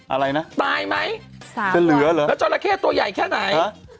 อะไรน่ะตายมั้ยก็เหลือหรอแล้วจอหลักเห็นตัวใหญ่แค่ไหน